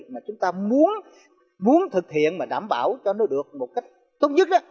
mà chúng ta muốn thực hiện và đảm bảo cho nó được một cách tốt nhất